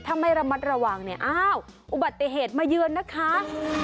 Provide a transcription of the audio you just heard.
ถ้าไม่ระมัดระวังเนี่ยอ้าวอุบัติเหตุมาเยือนนะคะ